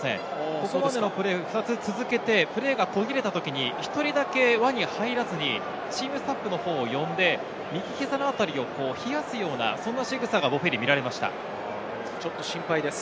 ここまでのプレー、２つ続けて、プレーが途切れたとき、１人だけ輪に入らず、チームスタッフを呼んで、右膝のあたりを冷やすようなそんなしぐさが見られましたボフェリです。